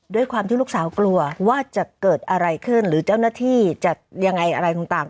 ด้วยความที่ลูกสาวกลัวว่าจะเกิดอะไรขึ้นหรือเจ้าหน้าที่จะยังไงอะไรต่าง